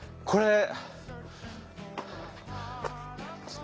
これ。